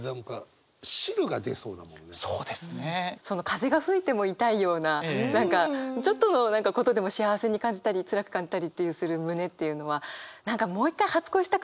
風が吹いても痛いような何かちょっとのことでも幸せに感じたりつらく感じたりする胸っていうのは何かもう一回初恋したくなりますね。